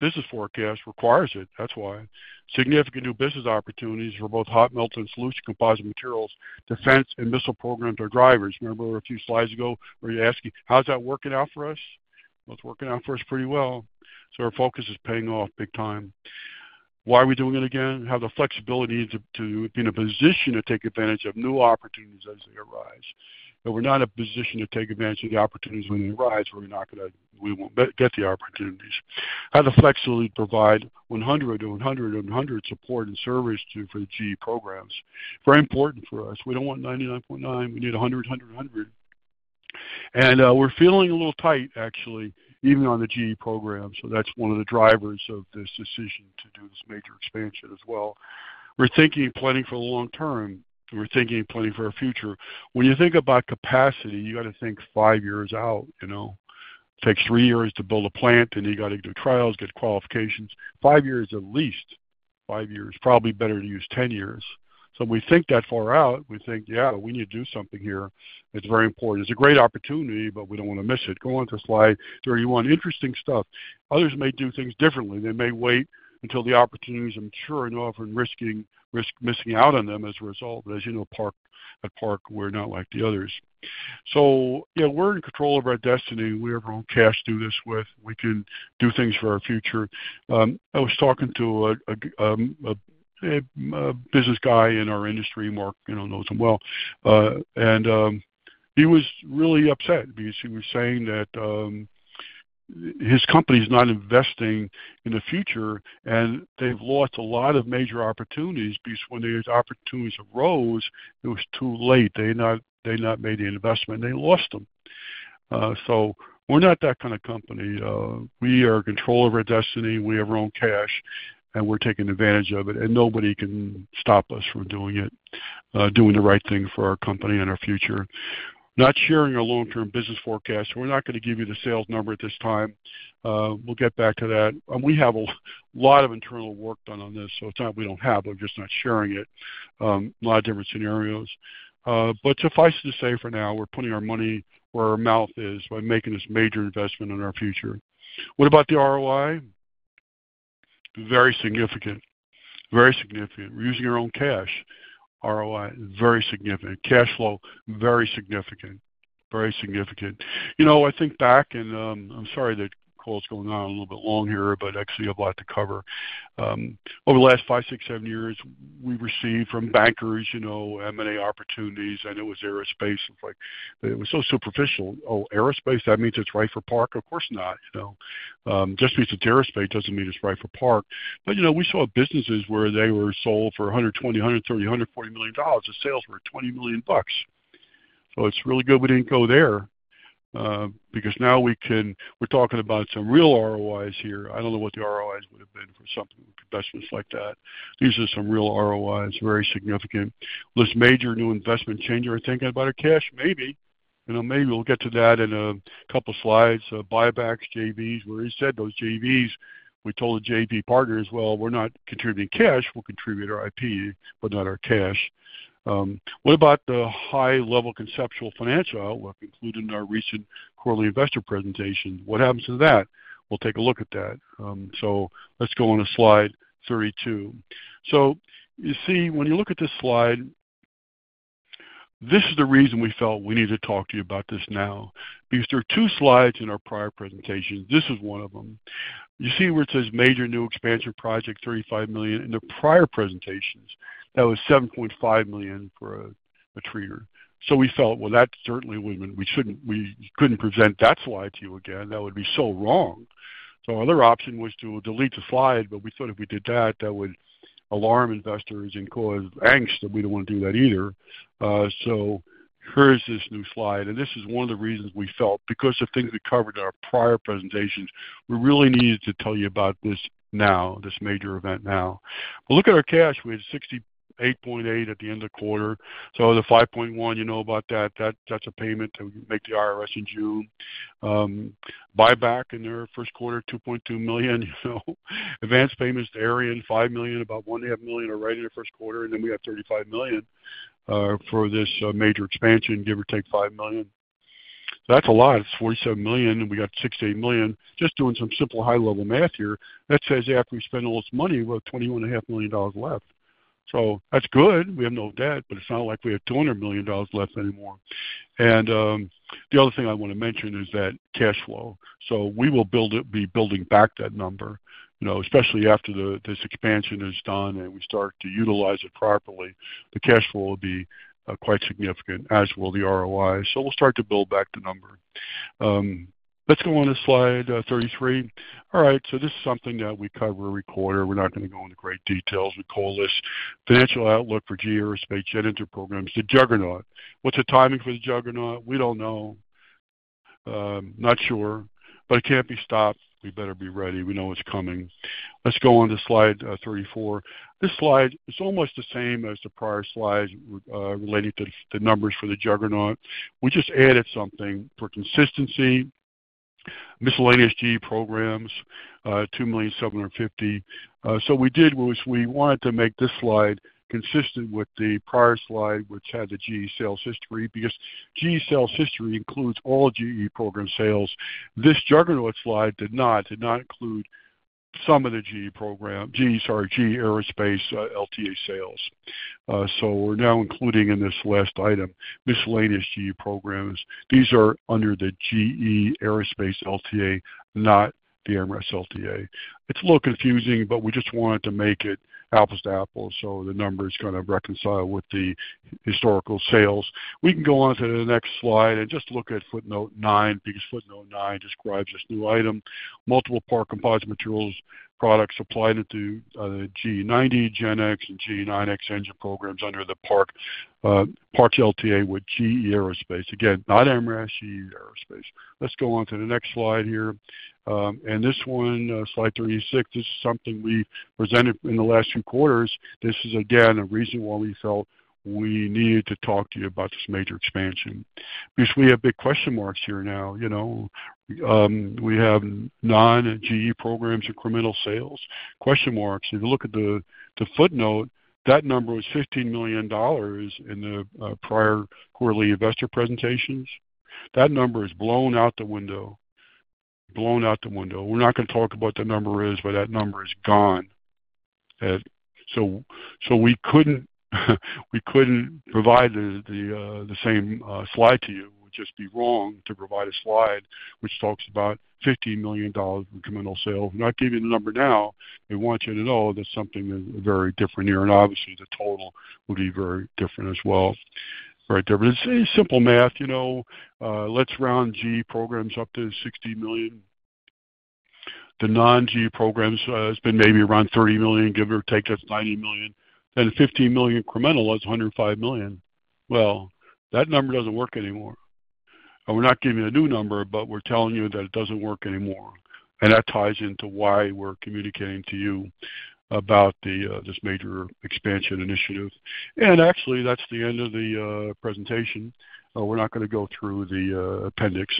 business forecast requires it. That's why. Significant new business opportunities for both hot melt and solution composite materials, defense, and missile programs are drivers. Remember a few slides ago where you asked, "How's that working out for us?" It is working out for us pretty well. Our focus is paying off big time. Why are we doing it again? Have the flexibility to be in a position to take advantage of new opportunities as they arise. We are not in a position to take advantage of the opportunities when they arise, or we will not get the opportunities. How does flexibility provide 100, 100, 100 support and service for the GE programs? Very important for us. We do not want 99.9. We need 100, 100, 100. We are feeling a little tight, actually, even on the GE program. That is one of the drivers of this decision to do this major expansion as well. We're thinking and planning for the long term. We're thinking and planning for our future. When you think about capacity, you got to think five years out. It takes three years to build a plant, and you got to do trials, get qualifications. Five years at least. Five years. Probably better to use 10 years. When we think that far out, we think, "Yeah, we need to do something here." It's very important. It's a great opportunity, but we don't want to miss it. Go on to slide 31. Interesting stuff. Others may do things differently. They may wait until the opportunities are mature enough and risk missing out on them as a result. As you know, at Park, we're not like the others. We're in control of our destiny. We have our own cash to do this with. We can do things for our future. I was talking to a business guy in our industry, Mark. You know him well. He was really upset because he was saying that his company is not investing in the future, and they've lost a lot of major opportunities because when these opportunities arose, it was too late. They had not made the investment, and they lost them. We are not that kind of company. We are in control of our destiny. We have our own cash, and we're taking advantage of it. Nobody can stop us from doing it, doing the right thing for our company and our future. We are not sharing our long-term business forecast. We are not going to give you the sales number at this time. We will get back to that. We have a lot of internal work done on this, so it is not that we do not have it. We are just not sharing it. A lot of different scenarios. Suffice to say for now, we're putting our money where our mouth is by making this major investment in our future. What about the ROI? Very significant. Very significant. We're using our own cash. ROI, very significant. Cash flow, very significant. Very significant. I think back, and I'm sorry that call's going on a little bit long here, but actually, I have a lot to cover. Over the last five, six, seven years, we received from bankers M&A opportunities, and it was aerospace. It's like, it was so superficial. Oh, aerospace, that means it's right for Park? Of course not. Just because it's aerospace doesn't mean it's right for Park. We saw businesses where they were sold for $120 million-$140 million. The sales were $20 million. It's really good we didn't go there because now we're talking about some real ROIs here. I don't know what the ROIs would have been for something with investments like that. These are some real ROIs, very significant. This major new investment change, are we thinking about our cash? Maybe. Maybe we'll get to that in a couple of slides. Buybacks, JVs. We already said those JVs. We told the JV partners, "We're not contributing cash. We'll contribute our IP, but not our cash." What about the high-level conceptual financial outlook included in our recent quarterly investor presentation? What happens to that? We'll take a look at that. Let's go on to slide 32. You see, when you look at this slide, this is the reason we felt we need to talk to you about this now. There are two slides in our prior presentations. This is one of them. You see where it says major new expansion project, $35 million. In the prior presentations, that was $7.5 million for a treater. We felt, well, that certainly would not, we could not present that slide to you again. That would be so wrong. Our other option was to delete the slide, but we thought if we did that, that would alarm investors and cause angst that we do not want to do that either. Here is this new slide. This is one of the reasons we felt, because of things we covered in our prior presentations, we really needed to tell you about this now, this major event now. Look at our cash. We had $68.8 million at the end of the quarter. The $5.1 million, you know about that. That is a payment that we make to the IRS in June. Buyback in our first quarter, $2.2 million. Advanced payments to Aerient, $5 million, about $1.5 million right in the first quarter. Then we have $35 million for this major expansion, give or take $5 million. That's a lot. It's $47 million, and we got $68 million. Just doing some simple high-level math here. That says after we spend all this money, we have $21.5 million left. That's good. We have no debt, but it's not like we have $200 million left anymore. The other thing I want to mention is that cash flow. We will be building back that number, especially after this expansion is done and we start to utilize it properly. The cash flow will be quite significant, as will the ROI. We'll start to build back the number. Let's go on to slide 33. All right. This is something that we cover every quarter. We're not going to go into great details. We call this financial outlook for GE Aerospace Jet Enter programs, the juggernaut. What's the timing for the juggernaut? We don't know. Not sure. It can't be stopped. We better be ready. We know it's coming. Let's go on to slide 34. This slide is almost the same as the prior slides relating to the numbers for the juggernaut. We just added something for consistency. Miscellaneous GE programs, 2,750. What we did was we wanted to make this slide consistent with the prior slide, which had the GE sales history, because GE sales history includes all GE program sales. This juggernaut slide did not include some of the GE Aerospace LTA sales. We're now including in this last item, miscellaneous GE programs. These are under the GE Aerospace LTA, not the MRAS LTA. It's a little confusing, but we just wanted to make it apples to apples. So the number is going to reconcile with the historical sales. We can go on to the next slide and just look at footnote 9, because footnote 9 describes this new item. Multiple Park composite materials products applied into the GE90, GEnx, and GE9X engine programs under the Park's LTA with GE Aerospace. Again, not MRAS, GE Aerospace. Let's go on to the next slide here. And this one, slide 36, this is something we presented in the last few quarters. This is, again, a reason why we felt we needed to talk to you about this major expansion. Because we have big question marks here now. We have non-GE programs and commercial sales. Question marks. If you look at the footnote, that number was $15 million in the prior quarterly investor presentations. That number is blown out the window. Blown out the window. We're not going to talk about what the number is, but that number is gone. So we could not provide the same slide to you. It would just be wrong to provide a slide which talks about $15 million in criminal sales. We're not giving you the number now. We want you to know that's something that's very different here. Obviously, the total will be very different as well. Right there. But it's simple math. Let's round GE programs up to $60 million. The non-GE programs has been maybe around $30 million, give or take, that's $90 million. Then $15 million criminal is $105 million. That number does not work anymore. We're not giving you a new number, but we're telling you that it doesn't work anymore. That ties into why we're communicating to you about this major expansion initiative. Actually, that's the end of the presentation. We're not going to go through the appendix.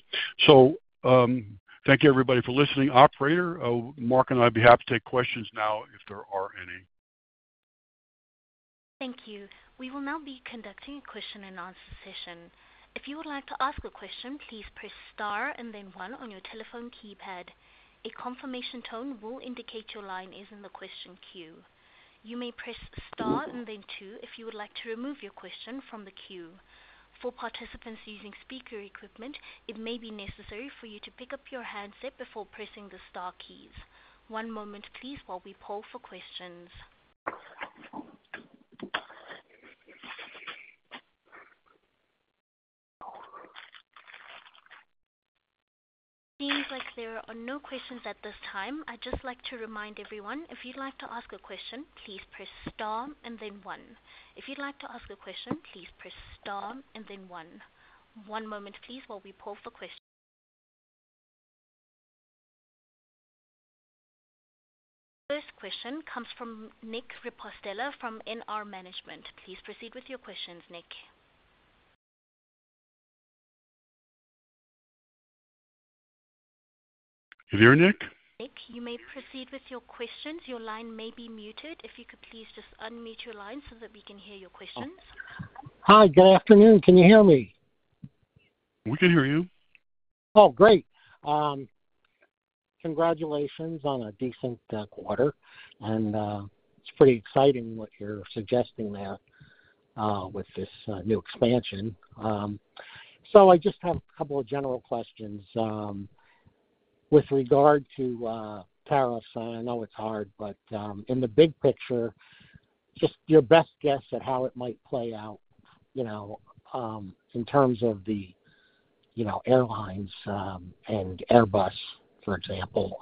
Thank you, everybody, for listening. Operator, Mark and I would be happy to take questions now if there are any. Thank you. We will now be conducting a question and answer session. If you would like to ask a question, please press star and then one on your telephone keypad. A confirmation tone will indicate your line is in the question queue. You may press star and then two if you would like to remove your question from the queue. For participants using speaker equipment, it may be necessary for you to pick up your handset before pressing the star keys. One moment, please, while we poll for questions. Seems like there are no questions at this time. I'd just like to remind everyone, if you'd like to ask a question, please press star and then one. If you'd like to ask a question, please press star and then one. One moment, please, while we poll for questions. First question comes from Nick Ripostella from NR Management. Please proceed with your questions, Nick. You there, Nick? Nick, you may proceed with your questions. Your line may be muted. If you could please just unmute your line so that we can hear your questions. Hi, good afternoon. Can you hear me? We can hear you. Oh, great. Congratulations on a decent quarter. It's pretty exciting what you're suggesting there with this new expansion. I just have a couple of general questions with regard to tariffs. I know it's hard, but in the big picture, just your best guess at how it might play out in terms of the airlines and Airbus, for example.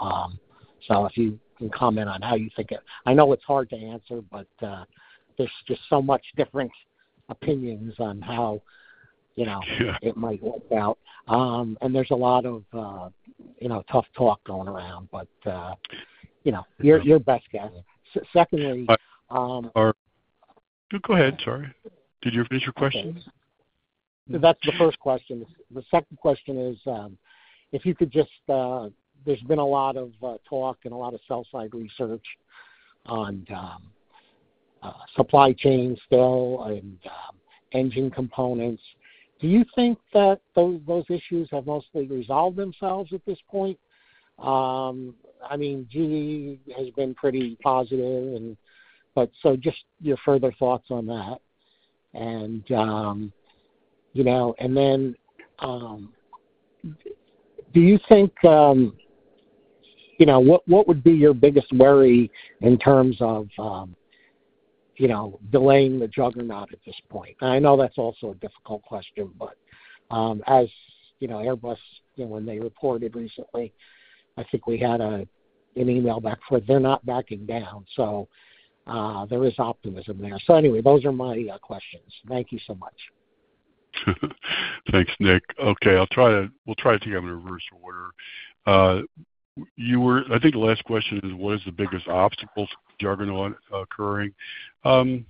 If you can comment on how you think it, I know it's hard to answer, but there's just so many different opinions on how it might work out. There's a lot of tough talk going around, but your best guess. Secondly, All right, go ahead. Sorry. Did you finish your question? That's the first question. The second question is, if you could just, there's been a lot of talk and a lot of sell-side research on supply chain still and engine components. Do you think that those issues have mostly resolved themselves at this point? I mean, GE has been pretty positive, but just your further thoughts on that. Do you think what would be your biggest worry in terms of delaying the juggernaut at this point? I know that's also a difficult question, but as Airbus, when they reported recently, I think we had an email back for it. They're not backing down. There is optimism there. Anyway, those are my questions. Thank you so much. Thanks, Nick. Okay. We'll try it together in reverse order. I think the last question is, what is the biggest obstacle to juggernaut occurring? I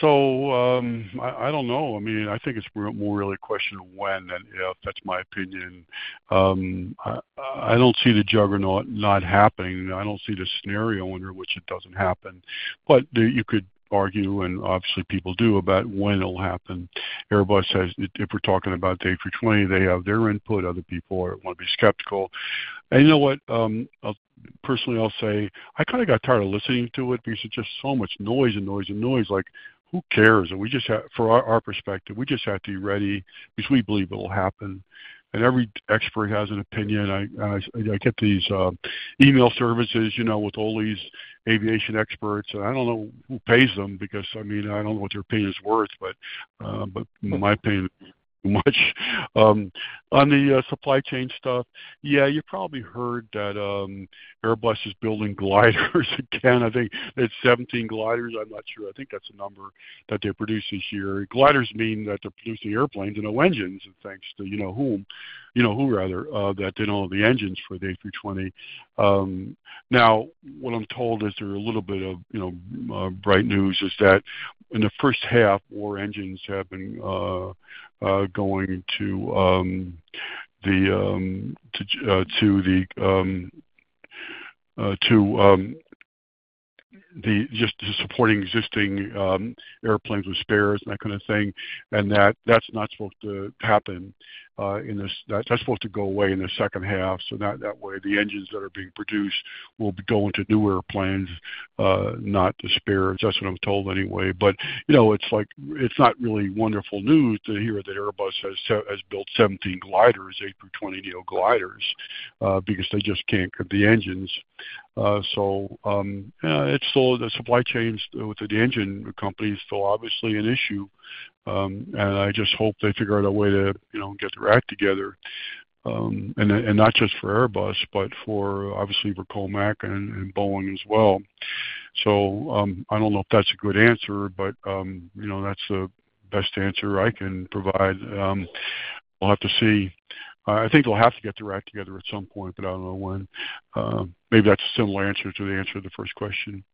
don't know. I think it's more really a question of when than if. That's my opinion. I don't see the juggernaut not happening. I don't see the scenario under which it doesn't happen. You could argue, and obviously, people do, about when it'll happen. Airbus, if we're talking about day for 20, they have their input. Other people want to be skeptical. You know what? Personally, I'll say I kind of got tired of listening to it because it's just so much noise and noise and noise. Like, who cares? From our perspective, we just have to be ready because we believe it'll happen. Every expert has an opinion. I get these email services with all these aviation experts. I don't know who pays them because, I mean, I don't know what their opinion is worth, but my opinion is too much. On the supply chain stuff, yeah, you probably heard that Airbus is building gliders again. I think it's 17 gliders. I'm not sure. I think that's the number that they produced this year. Gliders mean that they're producing airplanes and no engines, thanks to whom, you know who rather, that they don't have the engines for day for 20. Now, what I'm told is there's a little bit of bright news is that in the first half, more engines have been going to just supporting existing airplanes with spares and that kind of thing. That's not supposed to happen. That's supposed to go away in the second half. That way, the engines that are being produced will go into new airplanes, not the spares. That's what I'm told anyway. It's not really wonderful news to hear that Airbus has built 17 gliders, A320 Neo gliders, because they just can't get the engines. The supply chains with the engine company is still obviously an issue. I just hope they figure out a way to get their act together. Not just for Airbus, but obviously for Comac and Boeing as well. I don't know if that's a good answer, but that's the best answer I can provide. We'll have to see. I think they'll have to get their act together at some point, but I don't know when. Maybe that's a similar answer to the answer to the first question.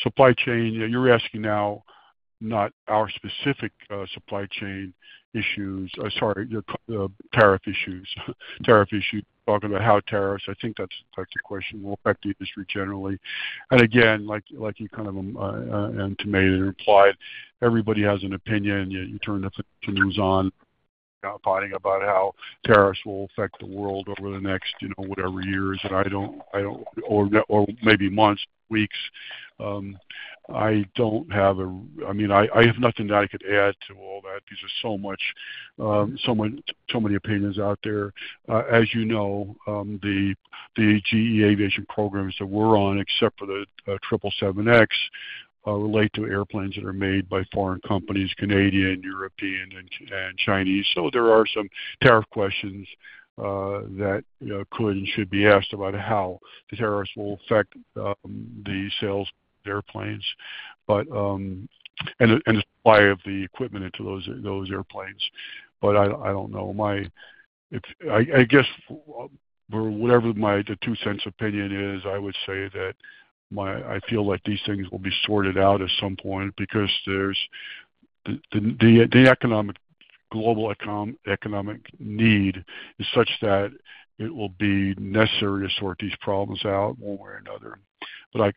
Supply chain, you're asking now not our specific supply chain issues. Sorry, the tariff issues. Tariff issues, talking about how tariffs, I think that's the question, will affect the industry generally. Again, like you kind of intimated and implied, everybody has an opinion. You turn the news on, fighting about how tariffs will affect the world over the next whatever years, or maybe months, weeks. I don't have a—I mean, I have nothing that I could add to all that because there's so many opinions out there. As you know, the GE aviation programs that we're on, except for the 777X, relate to airplanes that are made by foreign companies, Canadian, European, and Chinese. There are some tariff questions that could and should be asked about how the tariffs will affect the sales of airplanes and the supply of the equipment into those airplanes. I don't know. I guess whatever my two cents opinion is, I would say that I feel like these things will be sorted out at some point because the global economic need is such that it will be necessary to sort these problems out one way or another.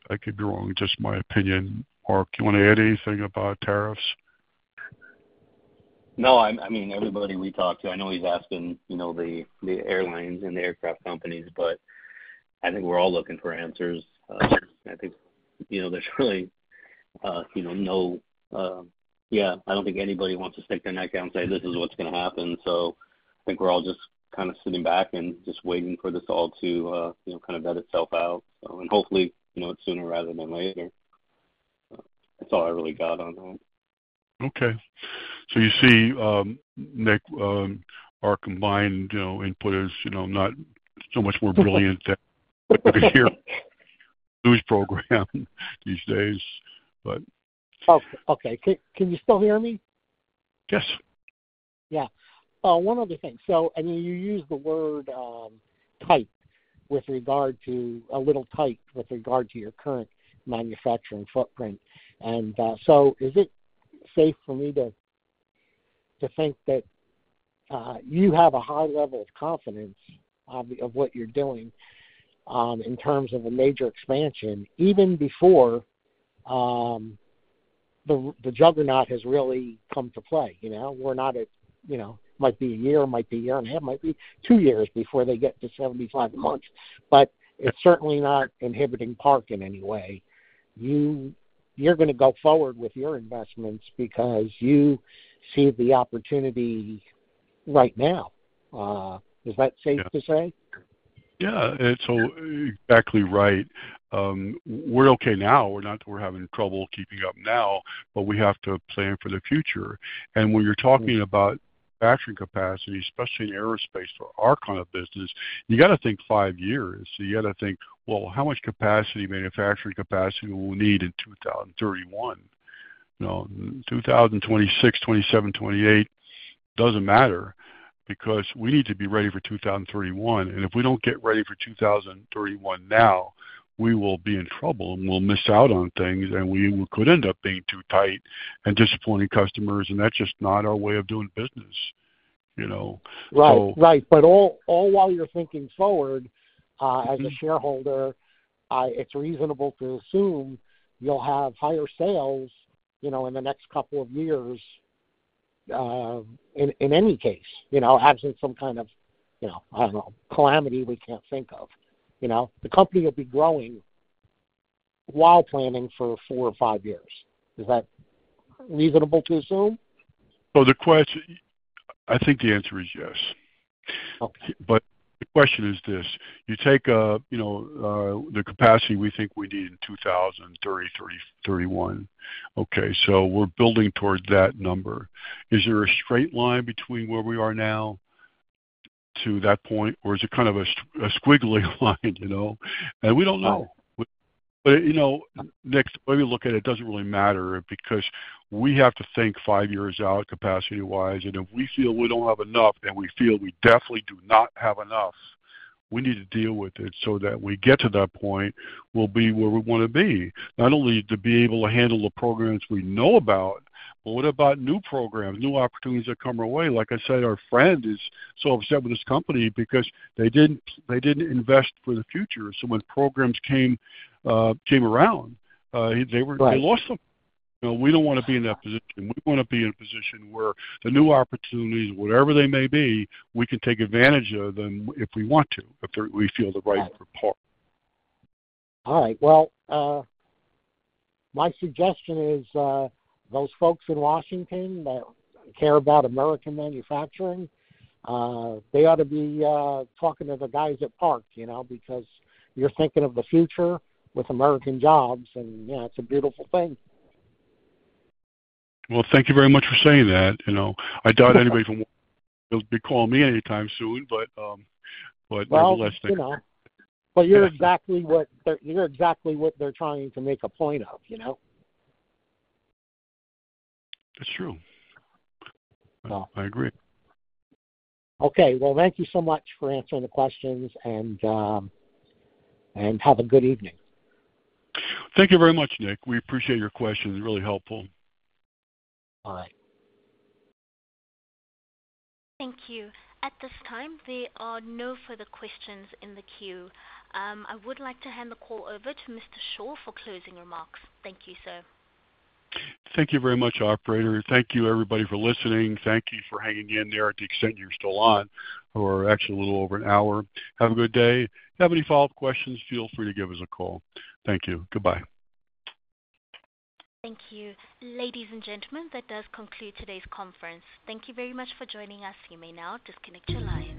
I could be wrong. Just my opinion. Mark, you want to add anything about tariffs? No, I mean, everybody we talked to, I know he's asked the airlines and the aircraft companies, but I think we're all looking for answers. I think there's really no—yeah, I don't think anybody wants to stick their neck out and say, "This is what's going to happen." I think we're all just kind of sitting back and just waiting for this all to kind of vet itself out. Hopefully, it's sooner rather than later. That's all I really got on that. Okay. You see, Nick, our combined input is not so much more brilliant than we could hear in the news program these days, but. Oh, okay. Can you still hear me? Yes. Yeah. One other thing. I mean, you used the word tight with regard to a little tight with regard to your current manufacturing footprint. Is it safe for me to think that you have a high level of confidence of what you're doing in terms of a major expansion, even before the juggernaut has really come to play? We're not at—it might be a year, it might be a year and a half, it might be two years before they get to 75 months. It is certainly not inhibiting Park in any way. You're going to go forward with your investments because you see the opportunity right now. Is that safe to say? Yeah. It's exactly right. We're okay now. We're not having trouble keeping up now, but we have to plan for the future. When you're talking about manufacturing capacity, especially in aerospace for our kind of business, you got to think five years. You got to think, "How much capacity, manufacturing capacity will we need in 2031?" 2026, 2027, 2028 does not matter because we need to be ready for 2031. If we do not get ready for 2031 now, we will be in trouble and we will miss out on things. We could end up being too tight and disappointing customers. That is just not our way of doing business. Right. Right. All while you are thinking forward, as a shareholder, it is reasonable to assume you will have higher sales in the next couple of years in any case, absent some kind of, I do not know, calamity we cannot think of. The company will be growing while planning for four or five years. Is that reasonable to assume? I think the answer is yes. The question is this: you take the capacity we think we need in 2030, 2031. Okay. We're building toward that number. Is there a straight line between where we are now to that point, or is it kind of a squiggly line? We don't know. Nick, the way we look at it, it doesn't really matter because we have to think five years out capacity-wise. If we feel we don't have enough, and we feel we definitely do not have enough, we need to deal with it so that when we get to that point, we'll be where we want to be. Not only to be able to handle the programs we know about, but what about new programs, new opportunities that come our way? Like I said, our friend is so upset with this company because they didn't invest for the future. When programs came around, they lost them. We don't want to be in that position. We want to be in a position where the new opportunities, whatever they may be, we can take advantage of them if we want to, if we feel the right part. All right. My suggestion is those folks in Washington that care about American manufacturing, they ought to be talking to the guys at Park because you're thinking of the future with American jobs. Yeah, it's a beautiful thing. Thank you very much for saying that. I doubt anybody from Washington will be calling me anytime soon, but nevertheless. You're exactly what they're trying to make a point of. That's true. I agree. Thank you so much for answering the questions, and have a good evening. Thank you very much, Nick. We appreciate your questions. Really helpful. All right. Thank you. At this time, there are no further questions in the queue. I would like to hand the call over to Mr. Shore for closing remarks. Thank you, sir. Thank you very much, operator. Thank you, everybody, for listening. Thank you for hanging in there to the extent you're still on, or actually a little over an hour. Have a good day. If you have any follow-up questions, feel free to give us a call. Thank you. Goodbye. Thank you. Ladies and gentlemen, that does conclude today's conference. Thank you very much for joining us. You may now disconnect your line.